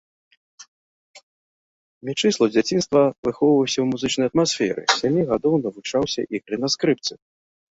Мечыслаў з дзяцінства выхоўваўся ў музычнай атмасферы, з сямі гадоў навучаўся ігры на скрыпцы.